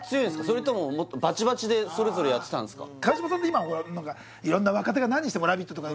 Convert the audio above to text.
それとももっとバチバチでそれぞれやってたんですか？